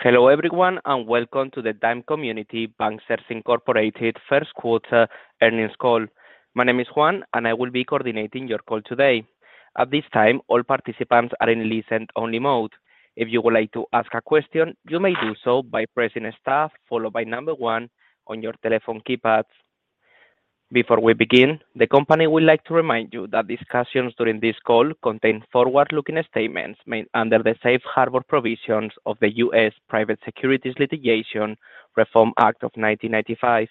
Hello everyone and welcome to the Dime Community Bancshares Incorporated first 1/4 earnings call. My name is Juan and I will be coordinating your call today. At this time, all participants are in a listen only mode. If you would like to ask a question, you may do so by pressing star followed by 1 on your telephone keypads. Before we begin, the company would like to remind you that discussions during this call contain Forward-Looking statements made under the safe harbor provisions of the U.S. Private Securities Litigation Reform Act of 1995.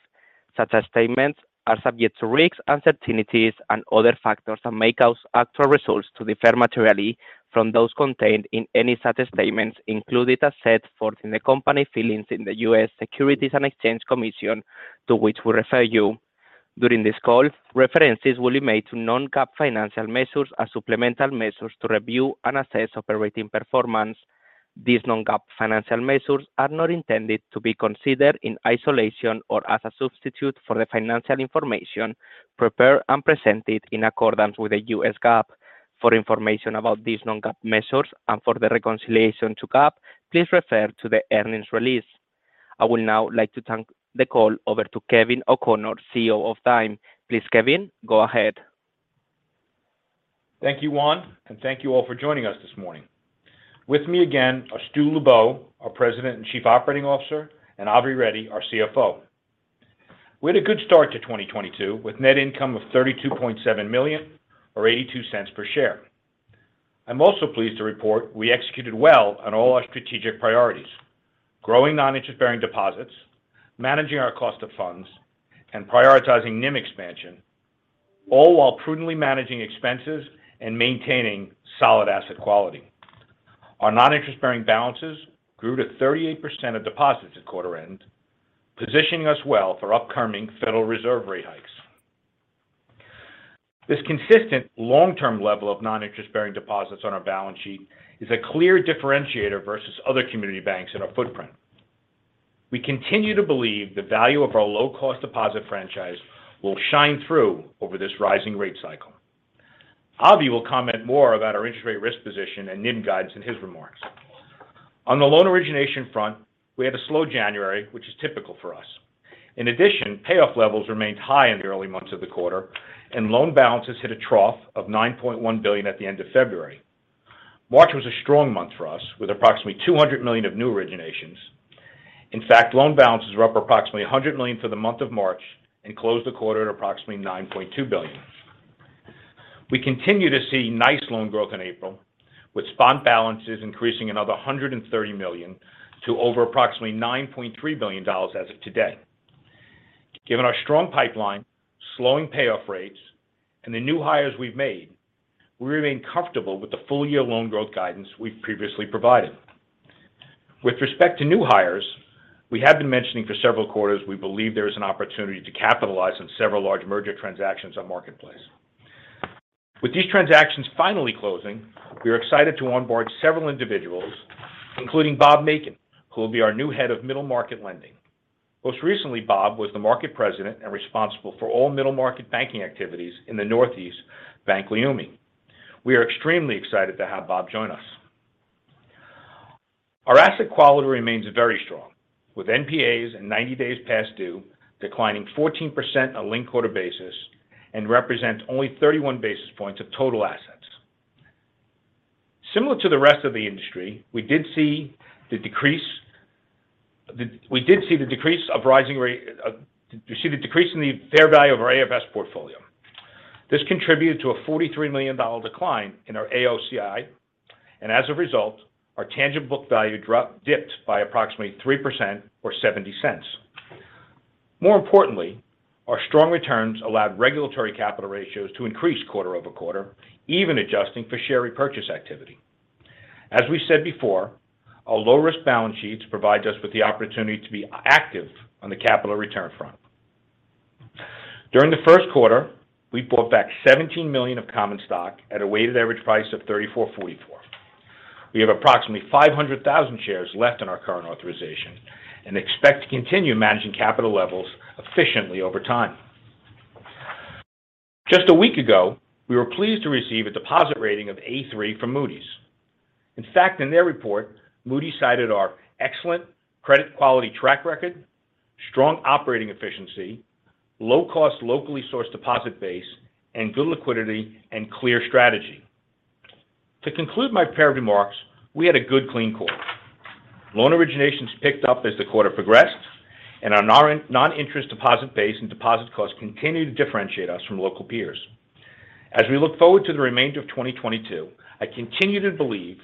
Such statements are subject to risks, uncertainties and other factors that may cause actual results to differ materially from those contained in any such statements included, as set forth in the company filings in the U.S. Securities and Exchange Commission, to which we refer you. During this call, references will be made to Non-GAAP financial measures as supplemental measures to review and assess operating performance. These Non-GAAP financial measures are not intended to be considered in isolation or as a substitute for the financial information prepared and presented in accordance with US GAAP. For information about these Non-GAAP measures and for the reconciliation to GAAP, please refer to the earnings release. I would now like to turn the call over to Kevin O'Connor, CEO of Dime. Please, Kevin, go ahead. Thank you, Juan, and thank you all for joining us this morning. With me again are Stu Lubow, our President and Chief Operating Officer, and Avi Reddy, our CFO. We had a good start to 2022 with net income of $32.7 million or $0.82 per share. I'm also pleased to report we executed well on all our strategic priorities. Growing Non-Interest bearing deposits, managing our cost of funds, and prioritizing NIM expansion, all while prudently managing expenses and maintaining solid asset quality. Our Non-Interest bearing balances grew to 38% of deposits at 1/4 end, positioning us well for upcoming Federal Reserve rate hikes. This consistent Long-Term level of Non-Interest bearing deposits on our balance sheet is a clear differentiator versus other community banks in our footprint. We continue to believe the value of our Low-Cost deposit franchise will shine through over this rising rate cycle. Avi will comment more about our interest rate risk position and NIM guides in his remarks. On the loan origination front, we had a slow January which is typical for us. In addition, payoff levels remained high in the early months of the 1/4, and loan balances hit a trough of $9.1 billion at the end of February. March was a strong month for us with approximately $200 million of new originations. In fact, loan balances were up approximately $100 million for the month of March and closed the 1/4 at approximately $9.2 billion. We continue to see nice loan growth in April with spot balances increasing another $130 million to over approximately $9.3 billion as of today. Given our strong pipeline, slowing payoff rates, and the new hires we've made, we remain comfortable with the full-Year loan growth guidance we've previously provided. With respect to new hires, we have been mentioning for several quarters we believe there is an opportunity to capitalize on several large merger transactions in the marketplace. With these transactions finally closing, we are excited to onboard several individuals, including Bob Maichin, who will be our new head of middle market lending. Most recently, Bob was the market president and responsible for all middle market banking activities in the Northeast, Bank Leumi. We are extremely excited to have Bob join us. Our asset quality remains very strong with NPAs and 90 days past due, declining 14% on linked-1/4 basis and represents only 31 basis points of total assets. Similar to the rest of the industry, we did see the decrease in the fair value of our AFS portfolio. This contributed to a $43 million decline in our AOCI, and as a result, our tangible book value dipped by approximately 3% or $0.70. More importantly, our strong returns allowed regulatory capital ratios to increase quarter-over-quarter, even adjusting for share repurchase activity. As we said before, our low risk balance sheets provide us with the opportunity to be active on the capital return front. During the first 1/4, we bought back 17 million of common stock at a weighted average price of $34.44. We have approximately 500,000 shares left in our current authorization and expect to continue managing capital levels efficiently over time. Just a week ago, we were pleased to receive a deposit rating of A3 from Moody's. In fact, in their report, Moody's cited our excellent credit quality track record, strong operating efficiency, low cost locally sourced deposit base, and good liquidity and clear strategy. To conclude my prepared remarks, we had a good clean 1/4. Loan originations picked up as the 1/4 progressed, and our Non-Interest deposit base and deposit costs continue to differentiate us from local peers. As we look forward to the remainder of 2022, I continue to believe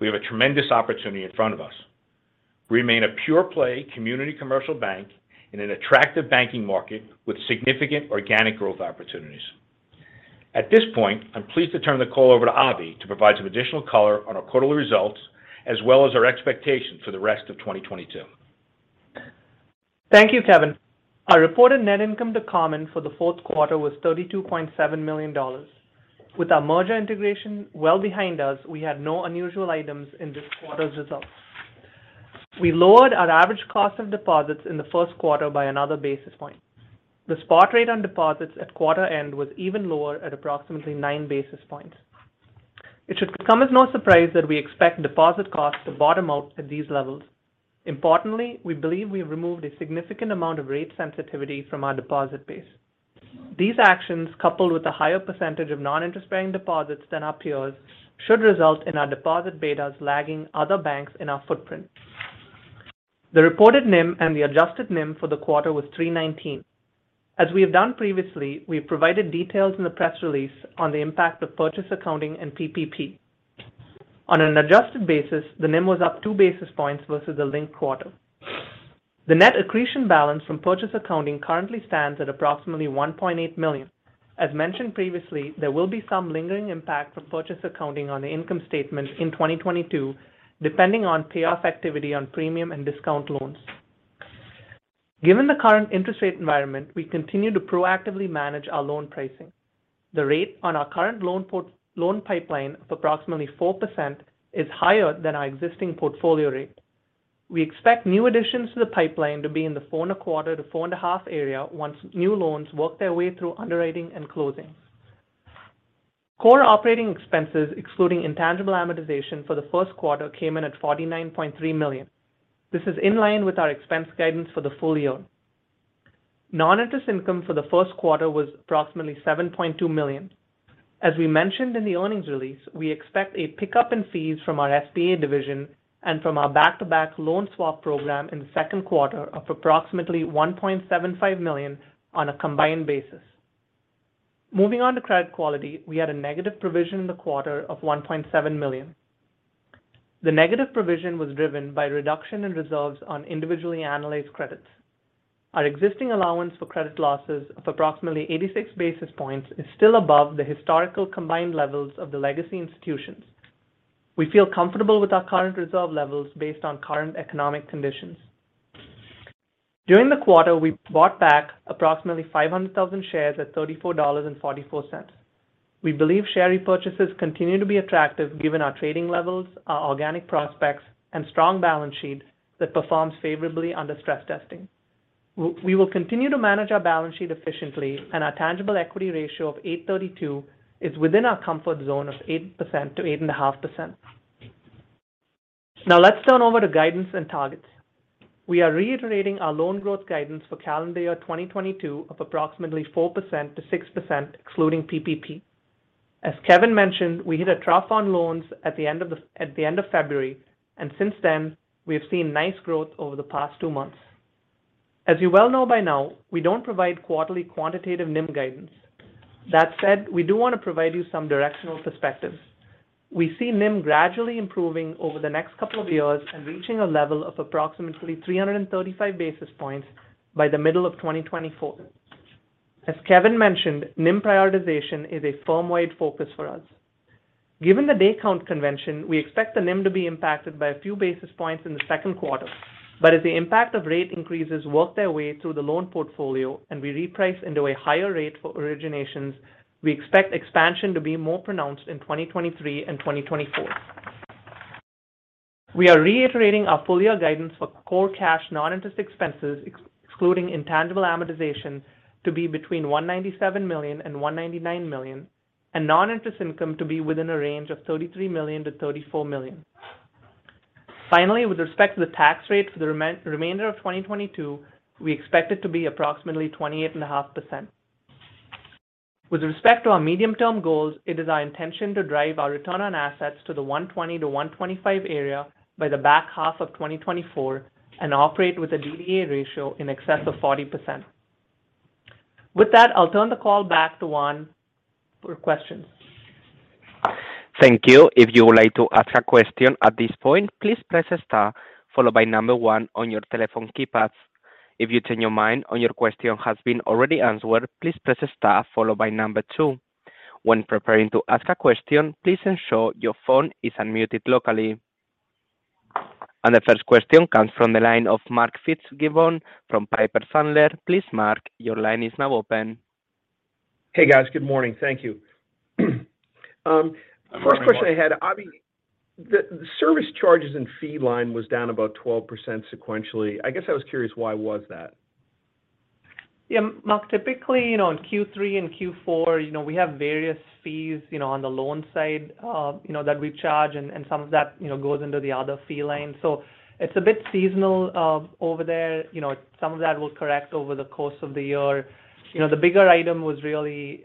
we have a tremendous opportunity in front of us. Remain a pure play community commercial bank in an attractive banking market with significant organic growth opportunities. At this point, I'm pleased to turn the call over to Avi to provide some additional color on our quarterly results as well as our expectations for the rest of 2022. Thank you, Kevin. Our reported net income to common for the 4th 1/4 was $32.7 million. With our merger integration well behind us, we had no unusual items in this 1/4's results. We lowered our average cost of deposits in the first 1/4 by another basis point. The spot rate on deposits at 1/4 end was even lower at approximately 9 basis points. It should come as no surprise that we expect deposit costs to bottom out at these levels. Importantly, we believe we have removed a significant amount of rate sensitivity from our deposit base. These actions, coupled with a higher percentage of Non-Interest bearing deposits than our peers, should result in our deposit betas lagging other banks in our footprint. The reported NIM and the adjusted NIM for the 1/4 was 3.19%. As we have done previously, we have provided details in the press release on the impact of purchase accounting and PPP. On an adjusted basis, the NIM was up 2 basis points versus the linked 1/4. The net accretion balance from purchase accounting currently stands at approximately $1.8 million. As mentioned previously, there will be some lingering impact from purchase accounting on the income statement in 2022, depending on payoff activity on premium and discount loans. Given the current interest rate environment, we continue to proactively manage our loan pricing. The rate on our current loan pipeline of approximately 4% is higher than our existing portfolio rate. We expect new additions to the pipeline to be in the 4.25%-4.5% area once new loans work their way through underwriting and closing. Core operating expenses, excluding intangible amortization for the first 1/4, came in at $49.3 million. This is in line with our expense guidance for the full year. Non-Interest income for the first 1/4 was approximately $7.2 million. As we mentioned in the earnings release, we expect a pickup in fees from our SBA division and from our back-to-back loan swap program in the second 1/4 of approximately $1.75 million on a combined basis. Moving on to credit quality, we had a negative provision in the 1/4 of $1.7 million. The negative provision was driven by reduction in reserves on individually analyzed credits. Our existing allowance for credit losses of approximately 86 basis points is still above the historical combined levels of the legacy institutions. We feel comfortable with our current reserve levels based on current economic conditions. During the 1/4, we bought back approximately 500,000 shares at $34.44. We believe share repurchases continue to be attractive given our trading levels, our organic prospects and strong balance sheet that performs favorably under stress testing. We will continue to manage our balance sheet efficiently and our tangible equity ratio of 8.32 is within our comfort zone of 8%-8.5%. Now let's turn over to guidance and targets. We are reiterating our loan growth guidance for calendar year 2022 of approximately 4%-6%, excluding PPP. As Kevin mentioned, we hit a trough on loans at the end of February, and since then we have seen nice growth over the past 2 months. As you well know by now, we don't provide quarterly quantitative NIM guidance. That said, we do want to provide you some directional perspective. We see NIM gradually improving over the next couple of years and reaching a level of approximately 335 basis points by the middle of 2024. As Kevin mentioned, NIM prioritization is a firm-wide focus for us. Given the day count convention, we expect the NIM to be impacted by a few basis points in the second 1/4. As the impact of rate increases work their way through the loan portfolio and we reprice into a higher rate for originations, we expect expansion to be more pronounced in 2023 and 2024. We are reiterating our full year guidance for core cash Non-Interest expenses, excluding intangible amortization, to be between $197 million and $199 million, and Non-Interest income to be within a range of $33 million-$34 million. Finally, with respect to the tax rate for the remainder of 2022, we expect it to be approximately 28.5%. With respect to our medium-term goals, it is our intention to drive our return on assets to the 1.20%-1.25% area by the back 1/2 of 2024 and operate with a DDA ratio in excess of 40%. With that, I'll turn the call back to Juan for questions. Thank you. If you would like to ask a question at this point, please press star followed by number 1 on your telephone keypads. If you change your mind or your question has been already answered, please press star followed by number 2. When preparing to ask a question, please ensure your phone is unmuted locally. The first question comes from the line of Mark Fitzgibbon from Piper Sandler. Please, Mark, your line is now open. Hey, guys. Good morning. Thank you. First question I had. Avi, the service charges and fee line was down about 12% sequentially. I guess I was curious why was that? Yeah, Mark, typically, you know, in Q3 and Q4, you know, we have various fees, you know, on the loan side, you know, that we charge and some of that, you know, goes into the other fee line. So it's a bit seasonal over there. You know, some of that will correct over the course of the year. You know, the bigger item was really,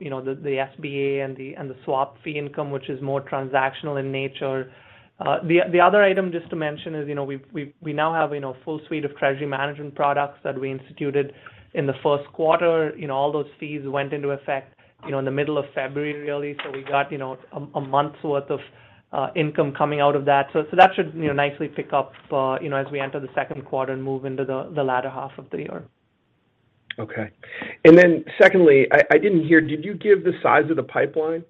you know, the SBA and the swap fee income, which is more transactional in nature. The other item just to mention is, you know, we now have, you know, a full suite of treasury management products that we instituted in the first 1/4. You know, all those fees went into effect, you know, in the middle of February, really. We got, you know, a month's worth of income coming out of that. That should, you know, nicely pick up as we enter the second 1/4 and move into the latter 1/2 of the year. Okay. Secondly, I didn't hear, did you give the size of the pipeline?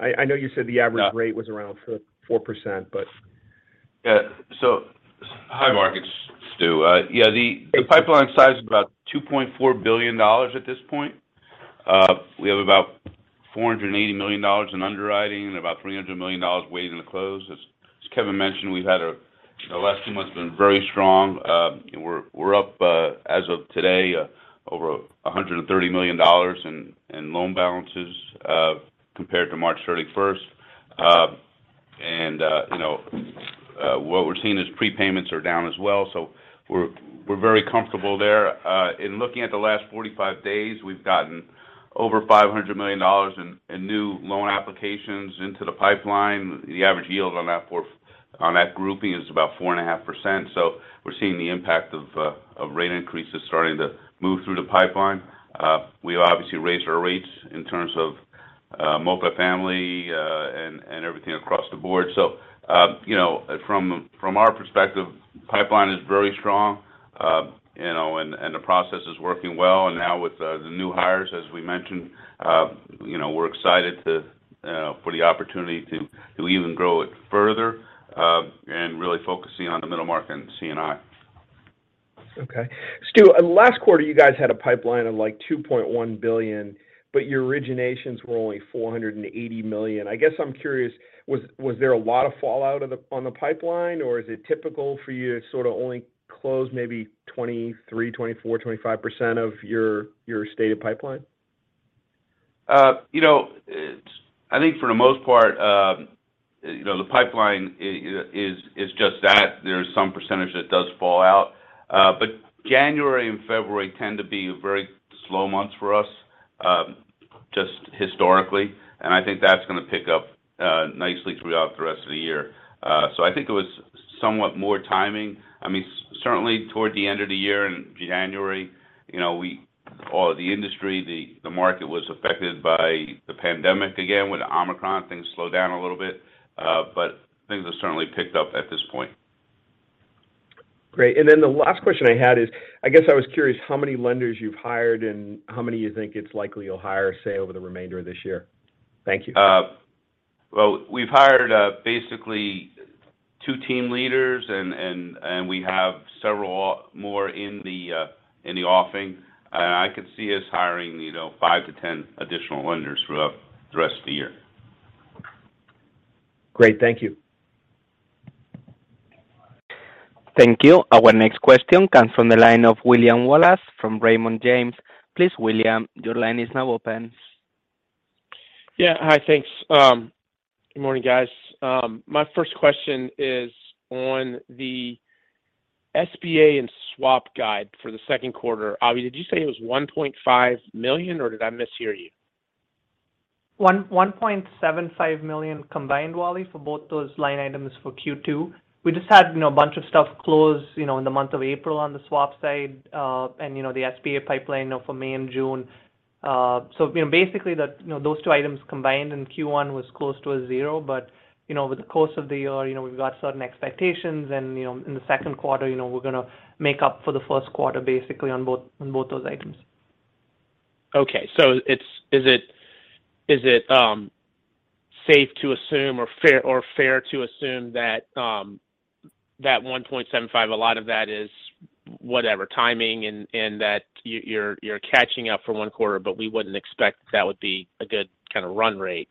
I know you said the average- No rate was around 4%, but Hi, Mark, it's Stu. The pipeline size is about $2.4 billion at this point. We have about $480 million in underwriting and about $300 million waiting to close. As Kevin mentioned, the last 2 months have been very strong. We're up, as of today, over $130 million in loan balances, compared to March 31. And, you know, what we're seeing is prepayments are down as well. So we're very comfortable there. In looking at the last 45 days, we've gotten over $500 million in new loan applications into the pipeline. The average yield on that grouping is about 4.5%. We're seeing the impact of rate increases starting to move through the pipeline. We obviously raised our rates in terms of multifamily and everything across the board. You know, from our perspective, pipeline is very strong, you know, and the process is working well. Now with the new hires, as we mentioned, you know, we're excited for the opportunity to even grow it further and really focusing on the middle market and C&I. Okay. Stu, last 1/4, you guys had a pipeline of, like, $2.1 billion, but your originations were only $480 million. I guess I'm curious, was there a lot of fallout on the pipeline, or is it typical for you to sort of only close maybe 23%, 24%, 25% of your stated pipeline? You know, I think for the most part, you know, the pipeline is just that. There's some percentage that does fall out. January and February tend to be very slow months for us, just historically, and I think that's gonna pick up nicely throughout the rest of the year. I think it was somewhat more timing. I mean, certainly toward the end of the year in January, you know, we or the industry, the market was affected by the pandemic again, with Omicron, things slowed down a little bit, but things have certainly picked up at this point. Great. The last question I had is, I guess I was curious how many lenders you've hired and how many you think it's likely you'll hire, say, over the remainder of this year. Thank you. Well, we've hired basically 2 team leaders and we have several more in the offing. I could see us hiring, you know, 5-10 additional lenders throughout the rest of the year. Great. Thank you. Thank you. Our next question comes from the line of William Wallace from Raymond James. Please, William, your line is now open. Yeah. Hi. Thanks. Good morning, guys. My first question is on the SBA and swap guidance for the second 1/4. Avi, did you say it was $1.5 million, or did I mishear you? $1.75 million combined, William, for both those line items for Q2. We just had, you know, a bunch of stuff close, you know, in the month of April on the swap side, and you know, the SBA pipeline, you know, for May and June. You know, basically that, you know, those 2 items combined in Q1 was close to zero. You know, over the course of the year, you know, we've got certain expectations. You know, in the second 1/4, you know, we're gonna make up for the first 1/4 basically on both those items. Is it safe to assume or fair to assume that 1.75%, a lot of that is whatever timing and that you're catching up for one 1/4, but we wouldn't expect that would be a good kinda run rate?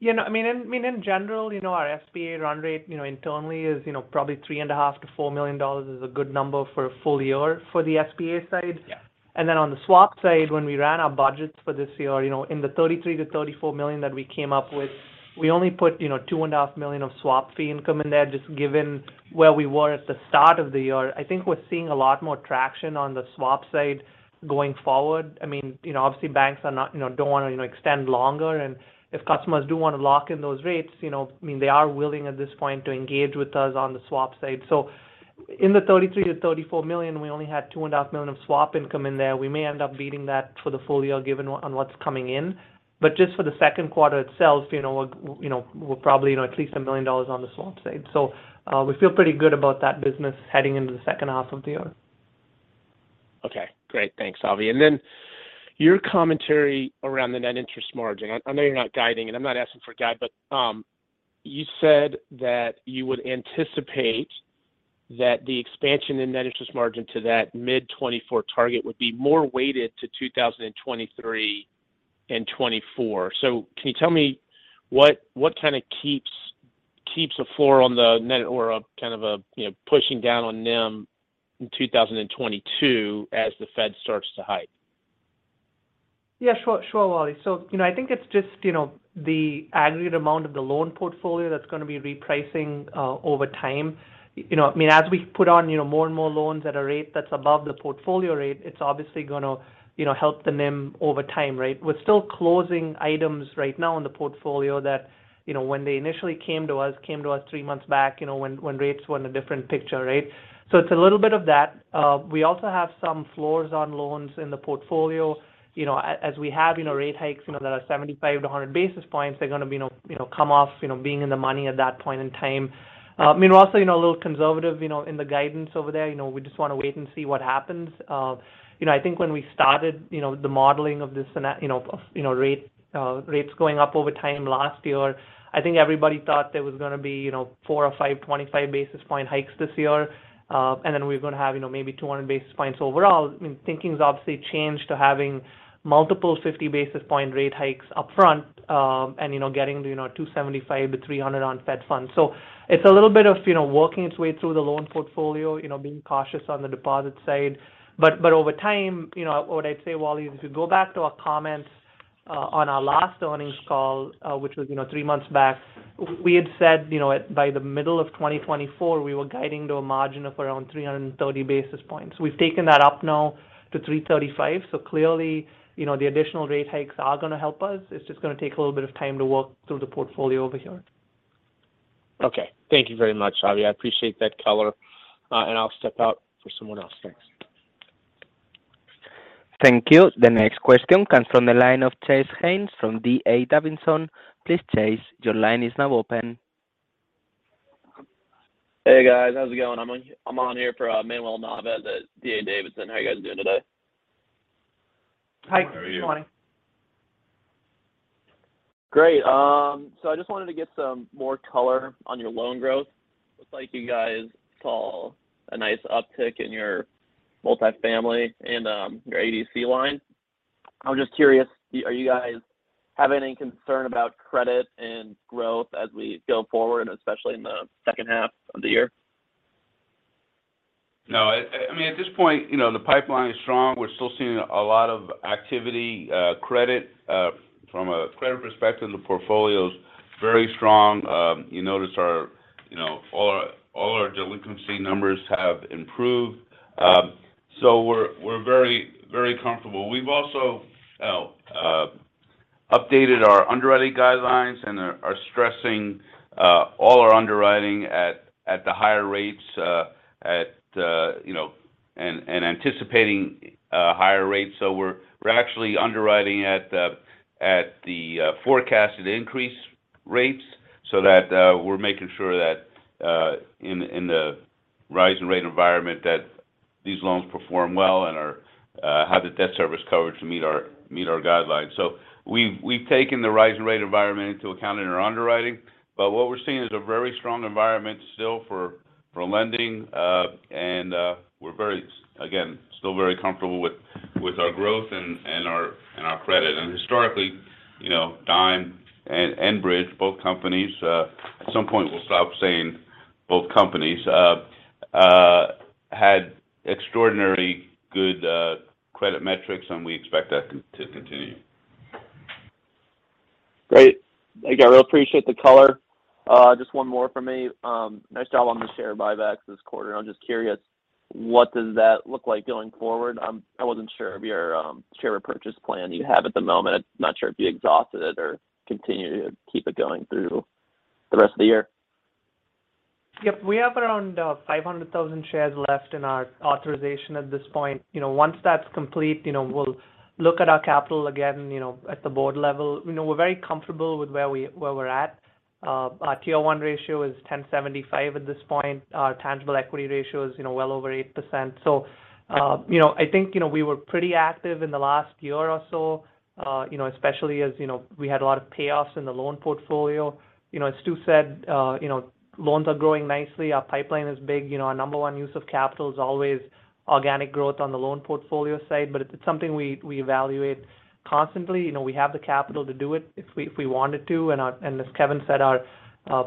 You know, I mean, in general, you know, our SBA run rate, you know, internally is, you know, probably $3.5 million-$4 million is a good number for a full year for the SBA side. Yeah. On the swap side, when we ran our budgets for this year, you know, in the $33 million-$34 million that we came up with, we only put, you know, $2.5 million of swap fee income in there, just given where we were at the start of the year. I think we're seeing a lot more traction on the swap side going forward. I mean, you know, obviously, banks are not, you know, don't wanna, you know, extend longer. If customers do wanna lock in those rates, you know, I mean, they are willing at this point to engage with us on the swap side. In the $33 million-$34 million, we only had $2.5 million of swap income in there. We may end up beating that for the full year given on what's coming in. Just for the second 1/4 itself, you know, we're probably, you know, at least $1 million on the swap side. We feel pretty good about that business heading into the second 1/2 of the year. Okay. Great. Thanks, Avi. Then your commentary around the net interest margin. I know you're not guiding, and I'm not asking for a guide, but you said that you would anticipate that the expansion in net interest margin to that Mid-2024 target would be more weigted to 2023 and 2024. Can you tell me what kinda keeps a floor on the NIM or a kind of a, you know, pushing down on NIM in 2022 as the Fed starts to hike? Yeah, sure. Sure, Wally. You know, I think it's just, you know, the aggregate amount of the loan portfolio that's gonna be repricing over time. You know, I mean, as we put on, you know, more and more loans at a rate that's above the portfolio rate, it's obviously gonna, you know, help the NIM over time, right? We're still closing items right now in the portfolio that, you know, when they initially came to us 3 months back, you know, when rates were in a different picture, right? It's a little bit of that. We also have some floors on loans in the portfolio. You know, as we have, you know, rate hikes, you know, that are 75-100 basis points, they're gonna, you know, come off, you know, being in the money at that point in time. I mean, we're also, you know, a little conservative, you know, in the guidance over there. You know, we just wanna wait and see what happens. You know, I think when we started, you know, the modeling of this and that, you know, rates going up over time last year, I think everybody thought there was gonna be, you know, 4 or 5 25 basis point hikes this year, and then we were gonna have, you know, maybe 200 basis points overall. I mean, thinking's obviously changed to having multiple 50 basis point rate hikes up front, and, you know, getting to, you know, 2.75-3.00 on Fed funds. It's a little bit of, you know, working its way through the loan portfolio, you know, being cautious on the deposit side. Over time, you know, what I'd say, Wally, if you go back to our comments on our last earnings call, which was, you know, 3 months back, we had said, you know, by the middle of 2024, we were guiding to a margin of around 330 basis points. We've taken that up now to 335, so clearly, you know, the additional rate hikes are gonna help us. It's just gonna take a little bit of time to work through the portfolio over here. Okay. Thank you very much, Avi. I appreciate that color. I'll step out for someone else. Thanks. Thank you. The next question comes from the line of Chase Haines from D.A. Davidson. Please, Chase, your line is now open. Hey, guys. How's it going? I'm on here for Manuel Navas at D.A. Davidson. How are you guys doing today? Hi. Good morning. How are you? Great. I just wanted to get some more color on your loan growth. Looks like you guys saw a nice uptick in your multi-family and your ADC line. I'm just curious, are you guys having any concern about credit and growth as we go forward, especially in the second 1/2 of the year? No. I mean, at this point, you know, the pipeline is strong. We're still seeing a lot of activity. From a credit perspective, the portfolio's very strong. You notice, you know, all our delinquency numbers have improved. So we're very comfortable. We've also updated our underwriting guidelines and are stressing all our underwriting at the higher rates, you know, and anticipating higher rates. So we're actually underwriting at the forecasted interest rates so that we're making sure that in the rising rate environment that these loans perform well and have the debt service coverage to meet our guidelines. We've taken the rise in rate environment into account in our underwriting, but what we're seeing is a very strong environment still for lending. We're very, again, still very comfortable with our growth and our credit. Historically, you know, Dime and Bridge, both companies, at some point we'll stop saying both companies, had extraordinary good credit metrics, and we expect that to continue. Great. Thank you. I really appreciate the color. Just 1 more from me. Nice job on the share buybacks this 1/4. I'm just curious, what does that look like going forward? I wasn't sure of your share purchase plan you have at the moment. I'm not sure if you exhausted it or continue to keep it going through the rest of the year. Yep. We have around 500,000 shares left in our authorization at this point. You know, once that's complete, you know, we'll look at our capital again, you know, at the board level. You know, we're very comfortable with where we're at. Our Tier 1 ratio is 10.75 at this point. Our tangible equity ratio is, you know, well over 8%. You know, I think, you know, we were pretty active in the last year or so, you know, especially as, you know, we had a lot of payoffs in the loan portfolio. You know, as Stu said, you know, loans are growing nicely. Our pipeline is big. You know, our number 1 use of capital is always organic growth on the loan portfolio side, but it's something we evaluate constantly. You know, we have the capital to do it if we wanted to. As Kevin said, our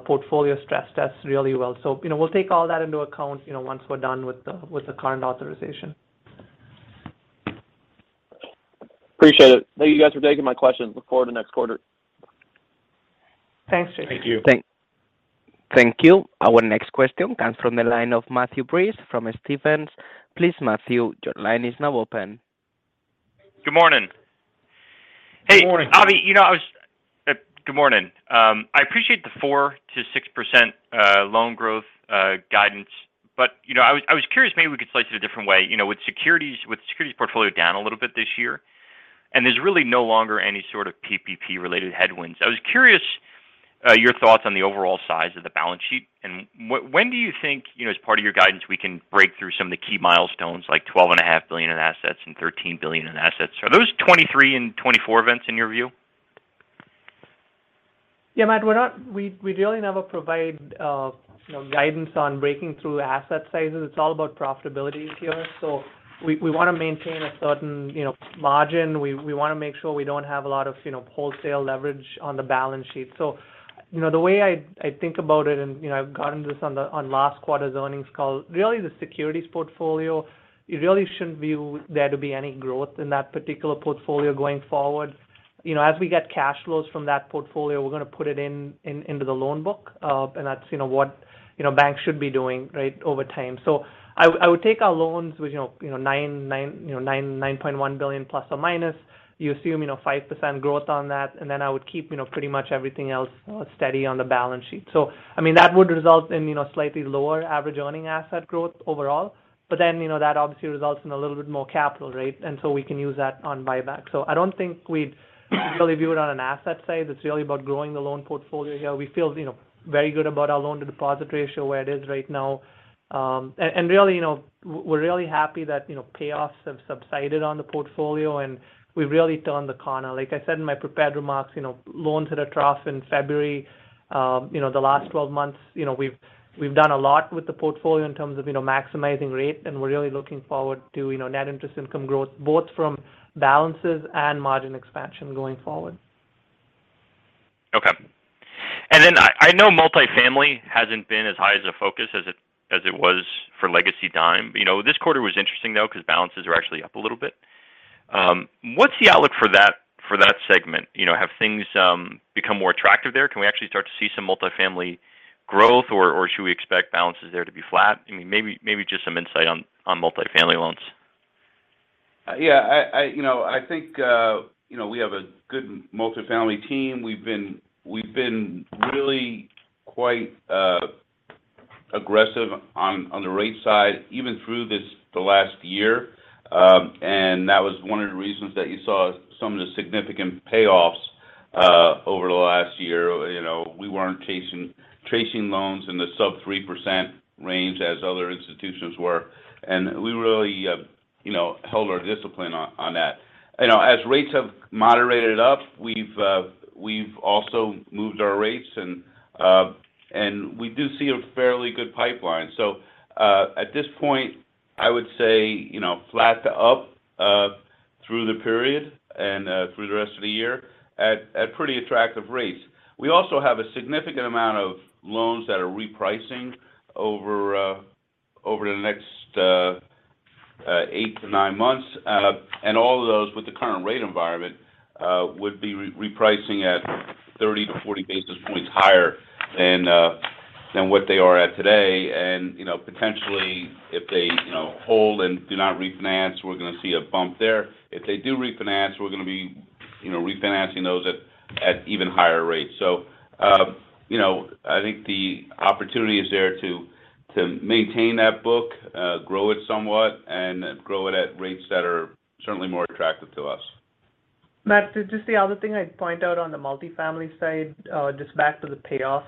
portfolio stress tests really well. You know, we'll take all that into account, you know, once we're done with the current authorization. Appreciate it. Thank you guys for taking my questions. Look forward to next 1/4. Thanks, Chase. Thank you. Thank you. Our next question comes from the line of Matthew Breese from Stephens. Please, Matthew, your line is now open. Good morning. Good morning. Hey, Avi, you know, good morning. I appreciate the 4%-6% loan growth guidance. You know, I was curious, maybe we could slice it a different way, you know, with securities, with the securities portfolio down a little bit this year, and there's really no longer any sort of PPP related headwinds. I was curious, your thoughts on the overall size of the balance sheet, and when do you think, you know, as part of your guidance, we can break through some of the key milestones like $12.5 billion in assets and $13 billion in assets? Are those 2023 and 2024 events in your view? Yeah, Matthew, we're not, we really never provide, you know, guidance on breaking through asset sizes. It's all about profitability here. We wanna maintain a certain, you know, margin. We wanna make sure we don't have a lot of, you know, wholesale leverage on the balance sheet. You know, the way I think about it, and, you know, I've gotten this on the last 1/4's earnings call, really the securities portfolio, you really shouldn't view there to be any growth in that particular portfolio going forward. You know, as we get cash flows from that portfolio, we're gonna put it into the loan book. And that's, you know, what, you know, banks should be doing, right, over time. I would take our loans with, you know, $9.1 billion plus or minus. You assume, you know, 5% growth on that. Then I would keep, you know, pretty much everything else steady on the balance sheet. I mean, that would result in, you know, slightly lower average earning asset growth overall. But then, you know, that obviously results in a little bit more capital, right? We can use that on buyback. I don't think we'd really view it on an asset side. It's really about growing the loan portfolio here. We feel, you know, very good about our loan to deposit ratio where it is right now. And really, you know, we're really happy that, you know, payoffs have subsided on the portfolio, and we've really turned the corner. Like I said in my prepared remarks, you know, loans hit a trough in February. You know, the last 12 months, you know, we've done a lot with the portfolio in terms of, you know, maximizing rate, and we're really looking forward to, you know, net interest income growth, both from balances and margin expansion going forward. I know multifamily hasn't been as high as a focus as it was for Legacy Dime. You know, this 1/4 was interesting though, because balances are actually up a little bit. What's the outlook for that segment? You know, have things become more attractive there? Can we actually start to see some multifamily growth or should we expect balances there to be flat? I mean, maybe just some insight on multifamily loans. Yeah. You know, I think you know, we have a good multifamily team. We've been really quite aggressive on the rate side, even through the last year. That was 1 of the reasons that you saw some of the significant payoffs over the last year. You know, we weren't chasing loans in the sub 3% range as other institutions were. We really you know, held our discipline on that. You know, as rates have moderated up, we've also moved our rates and we do see a fairly good pipeline. At this point, I would say you know, flat to up through the period and through the rest of the year at pretty attractive rates. We also have a significant amount of loans that are repricing over the next 8-9 months. All of those with the current rate environment would be repricing at 30-40 basis points higher than what they are at today. You know, potentially, if they, you know, hold and do not refinance, we're gonna see a bump there. If they do refinance, we're gonna be, you know, refinancing those at even higher rates. You know, I think the opportunity is there to maintain that book, grow it somewhat, and grow it at rates that are certainly more attractive to us. Matt, just the other thing I'd point out on the multifamily side, just back to the payoffs.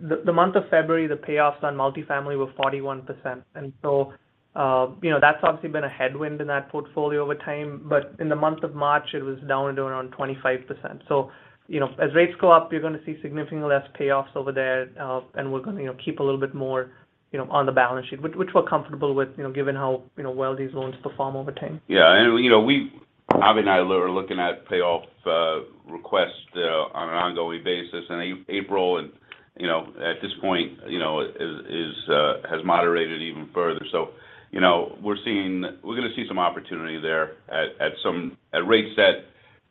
The month of February, the payoffs on multifamily were 41%. That's obviously been a headwind in that portfolio over time. In the month of March, it was down to around 25%. You know, as rates go up, you're gonna see significantly less payoffs over there, and we're gonna, you know, keep a little bit more, you know, on the balance sheet, which we're comfortable with, you know, given how, you know, well these loans perform over time. Yeah. You know, Avi and I are looking at payoff requests on an ongoing basis in April and, you know, at this point, you know, has moderated even further. You know, we're gonna see some opportunity there at rates that,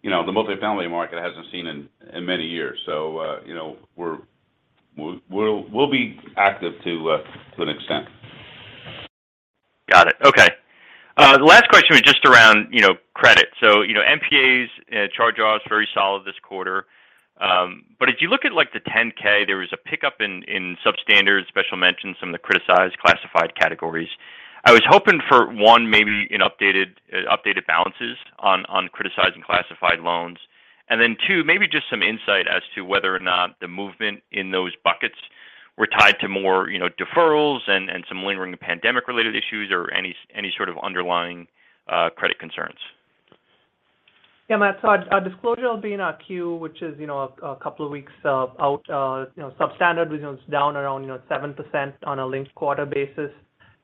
you know, the multifamily market hasn't seen in many years. You know, we'll be active to an extent. Got it. Okay. The last question was just around, you know, credit. You know, NPAs and charge-offs, very solid this 1/4. If you look at like the 10-K, there was a pickup in substandard special mentions in the criticized classified categories. I was hoping for 1, maybe an updated balances on criticized classified loans. And then 2, maybe just some insight as to whether or not the movement in those buckets were tied to more, you know, deferrals and some lingering pandemic-related issues or any sort of underlying credit concerns. Yeah, Matthew, our disclosure will be in our Q, which is a couple of weeks out. You know, substandard, which is down around 7% on a linked 1/4 basis.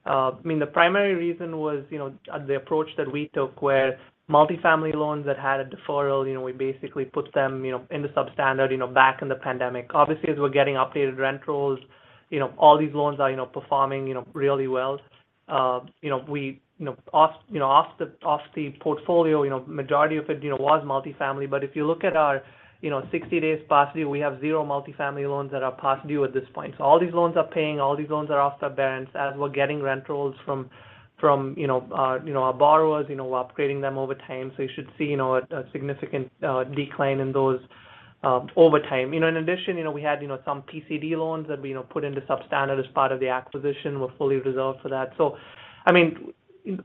I mean, the primary reason was the approach that we took, where multifamily loans that had a deferral, you know, we basically put them into substandard back in the pandemic. Obviously, as we're getting updated rent rolls, you know, all these loans are performing really well. You know, we off the portfolio, majority of it was multifamily. But if you look at our 60 days past due, we have 0 multifamily loans that are past due at this point. All these loans are paying, all these loans are off the bench as we're getting rent rolls from, you know, our borrowers, you know, upgrading them over time. You should see, you know, a significant decline in those over time. You know, in addition, you know, we had, you know, some PCD loans that we, you know, put into substandard as part of the acquisition. We're fully reserved for that. I mean,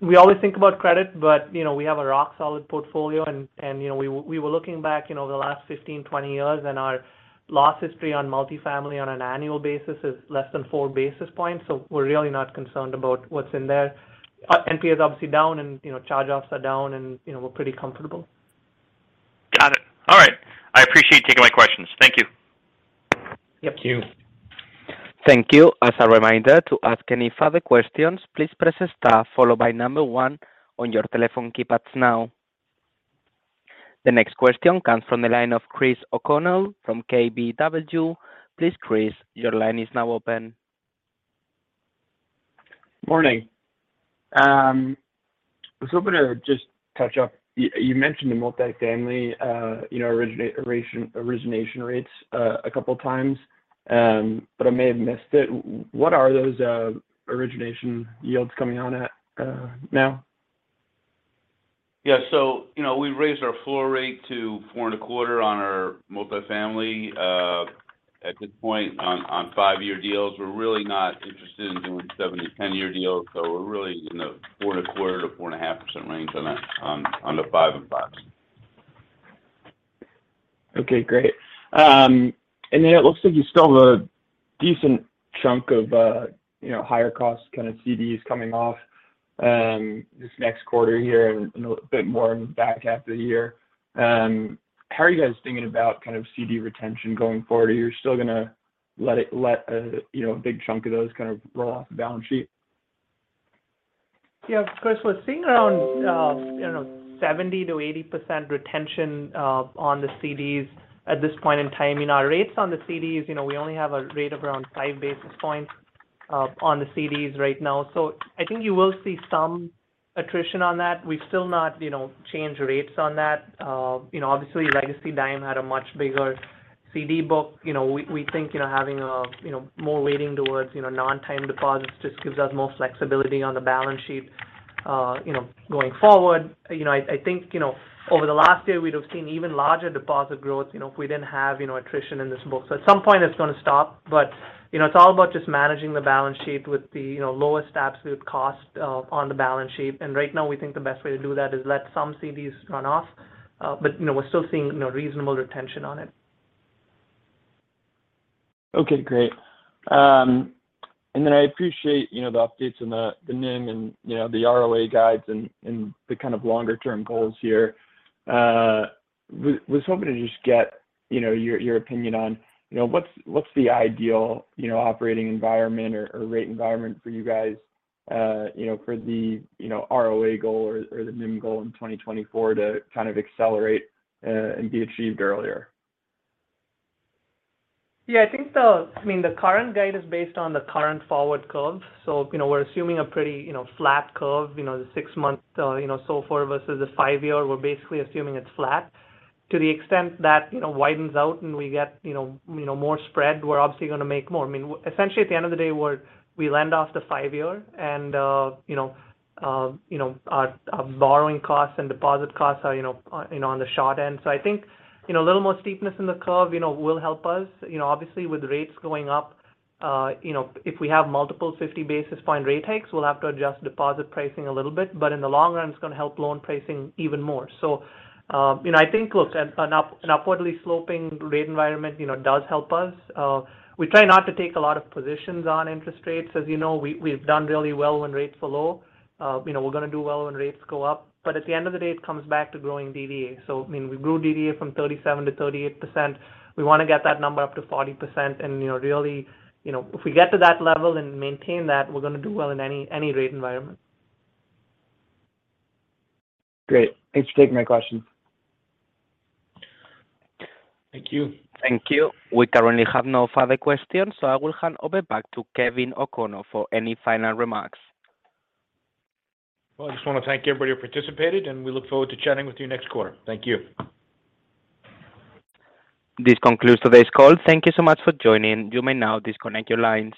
we always think about credit, but, you know, we have a rock solid portfolio and, you know, we were looking back, you know, over the last 15, 20 years, and our loss history on multifamily on an annual basis is less than 4 basis points. We're really not concerned about what's in there. Our NPA is obviously down and, you know, charge-offs are down and, you know, we're pretty comfortable. Got it. All right. I appreciate you taking my questions. Thank you. Yep. Thank you. Thank you. As a reminder, to ask any further questions, please press star followed by number 1 on your telephone keypads now. The next question comes from the line of Chris O'Connell from KBW. Please, Chris, your line is now open. Morning. I was hoping to just touch on, you mentioned the multifamily, you know, origination rates, a couple of times, but I may have missed it. What are those, origination yields coming on at, now? You know, we raised our floor rate to 4.25% on our multifamily at this point on 5-Year deals. We're really not interested in doing 7- to 10-Year deals, so we're really in the 4.25%-4.5% range on the 5 and 5s. Okay, great. It looks like you still have a decent chunk of, you know, higher cost kind of CDs coming off, this next 1/4 here and a bit more in the back 1/2 of the year. How are you guys thinking about kind of CD retention going forward? Are you still gonna let it, you know, a big chunk of those kind of roll off the balance sheet? Yeah, of course. We're seeing around, you know, 70%-80% retention on the CDs at this point in time. I mean, our rates on the CDs, you know, we only have a rate of around 5 basis points on the CDs right now. So I think you will see some attrition on that. We've still not, you know, changed rates on that. You know, obviously Legacy Dime had a much bigger CD book. You know, we think, you know, having a, you know, more w8ing towards, you know, Non-Time deposits just gives us more flexibility on the balance sheet, you know, going forward. You know, I think, you know, over the last year, we'd have seen even larger deposit growth, you know, if we didn't have, you know, attrition in this book. At some point it's gonna stop, but, you know, it's all about just managing the balance sheet with the, you know, lowest absolute cost, on the balance sheet. Right now we think the best way to do that is let some CDs run off. But, you know, we're still seeing, you know, reasonable retention on it. Okay, great. I appreciate, you know, the updates and the NIM and, you know, the ROA guides and the kind of longer term goals here. Was hoping to just get, you know, your opinion on, you know, what's the ideal, you know, operating environment or rate environment for you guys, you know, for the, you know, ROA goal or the NIM goal in 2024 to kind of accelerate and be achieved earlier? Yeah, I think. I mean, the current guide is based on the current forward curve. You know, we're assuming a pretty flat curve, you know, the 6-month SOFR versus the 5-Year. We're basically assuming it's flat. To the extent that it widens out and we get more spread, we're obviously gonna make more. I mean, essentially at the end of the day, we lend off the 5-Year and our borrowing costs and deposit costs are on the short end. I think a little more steepness in the curve will help us. You know, obviously with rates going up, you know, if we have multiple 50 basis point rate hikes, we'll have to adjust deposit pricing a little bit, but in the long run, it's gonna help loan pricing even more. You know, I think, look, an upwardly sloping rate environment, you know, does help us. We try not to take a lot of positions on interest rates. As you know, we've done really well when rates were low. You know, we're gonna do well when rates go up, but at the end of the day, it comes back to growing DDA. I mean, we grew DDA from 37%-38%. We wanna get that number up to 40% and, you know, really, you know, if we get to that level and maintain that, we're gonna do well in any rate environment. Great. Thanks for taking my question. Thank you. Thank you. We currently have no further questions, so I will hand over back to Kevin O'Connor for any final remarks. Well, I just wanna thank everybody who participated, and we look forward to chatting with you next 1/4. Thank you. This concludes today's call. Thank you so much for joining. You may now disconnect your lines.